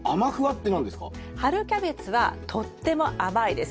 でも春キャベツはとっても甘いです。